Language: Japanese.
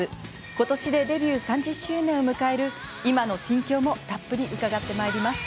ことしでデビュー３０周年を迎える今の心境もたっぷり伺います。